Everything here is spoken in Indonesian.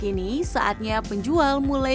kini saatnya penjual mulai